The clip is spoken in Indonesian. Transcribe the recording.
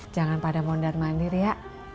jangan pada mondat mandir ya